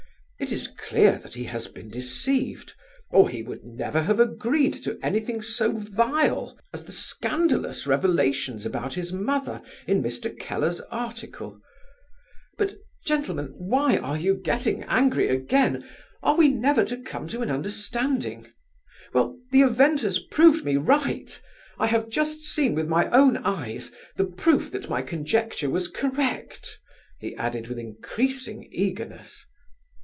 It is clear that he has been deceived, or he would never have agreed to anything so vile as the scandalous revelations about his mother in Mr. Keller's article. But, gentlemen, why are you getting angry again? Are we never to come to an understanding? Well, the event has proved me right! I have just seen with my own eyes the proof that my conjecture was correct!" he added, with increasing eagerness.